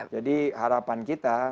jadi harapan kita